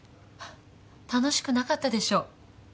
楽しくなかったでしょ？